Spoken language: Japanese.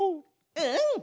うん！